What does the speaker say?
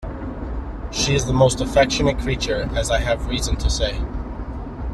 She is a most affectionate creature, as I have reason to say.